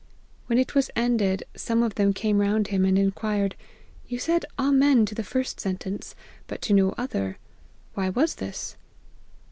When it was ended, some of them came round him, and inquired, ' You said Amen to the first sentence, but to no other ; why was this